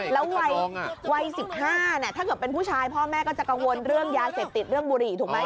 แล้ววัย๑๕ถ้าเกิดเป็นผู้ชายพ่อแม่ก็จะกังวลเรื่องยาเสพติดเรื่องบุหรี่ถูกไหม